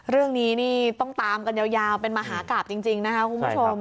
เรื่องนี้นี่ต้องตามกระเนียวเป็นมหากลับจริงจริงนะครับคุณผู้ชม